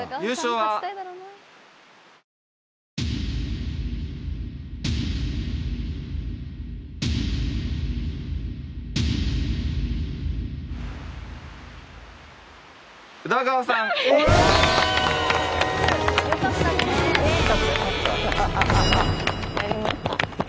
やりました。